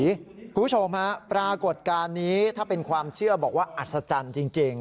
คุณผู้ชมฮะปรากฏการณ์นี้ถ้าเป็นความเชื่อบอกว่าอัศจรรย์จริง